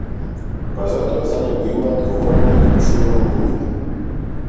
Па затоа за него имаат говорено и пишувано многумина.